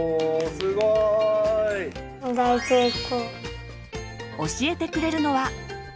すごい！教えてくれるのは。